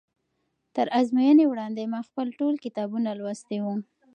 تر ازموینې وړاندې ما خپل ټول کتابونه لوستي وو.